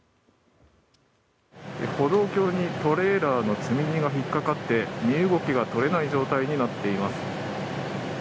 歩道橋にトレーラーの積み荷が引っかかって身動きが取れない状態になっています。